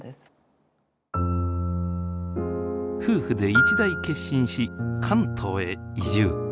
夫婦で一大決心し関東へ移住。